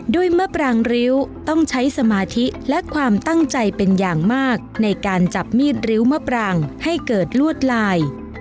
มะปรางริ้วต้องใช้สมาธิและความตั้งใจเป็นอย่างมากในการจับมีดริ้วมะปรางให้เกิดลวดลาย